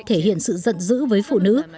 thể hiện sự giận dữ với phụ nữ